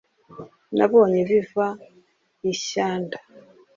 nabonye biva i shyanda,